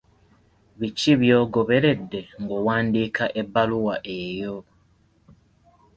Biki by'ogoberedde ng'owandiika ebbaluwa eyo?